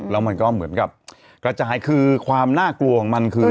แล้วมันก็เหมือนกับกระจายคือความน่ากลัวของมันคือ